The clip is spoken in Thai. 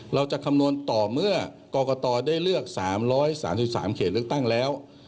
เราจะคำนวณต่อเมื่อก็กกตได้เลือก๓๓๓เครติฤทธิ์ตั้งแล้ว